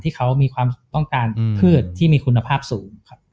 ที่เขามีความต้องการพืชที่มีคุณภาพสูงครับ